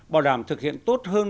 bảo đảm thực hiện tốt hơn